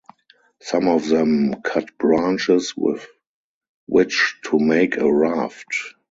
Some of them cut branches with which to make a raft.